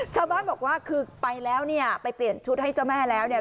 ชาวบ้านบอกว่าคือไปแล้วเนี่ยไปเปลี่ยนชุดให้เจ้าแม่แล้วเนี่ย